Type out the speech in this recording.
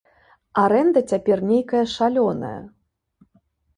Арэнда цяпер нейкая шалёная.